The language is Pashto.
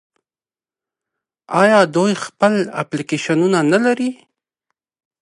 آیا دوی خپل اپلیکیشنونه نلري؟